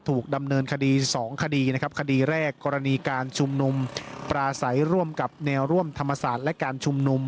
ถูกดำเนินคดี๒คดีนะครับคดีแรกกรณีการชุมนุมปลาใสร่วมกับแนวร่วมธรรมศาสตร์และการชุมนุม